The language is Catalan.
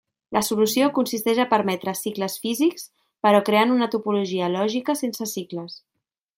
La solució consisteix a permetre cicles físics, però creant una topologia lògica sense cicles.